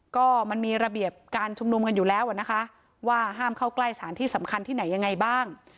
ก็มันมีระเบียบการชุมนุมกันอยู่แล้วนะคะว่าห้ามเข้าใกล้สถานที่สำคัญที่ไหนยังไงบ้าง